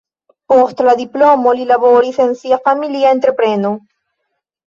Post la diplomo li laboris en sia familia entrepreno.